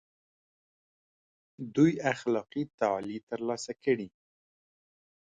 دوی اخلاقي تعالي تر لاسه کړي.